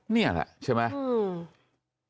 นี่แหละใช่ไหม